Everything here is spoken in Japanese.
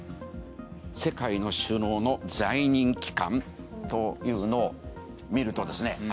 世界の首脳の在任期間というのを見るとですね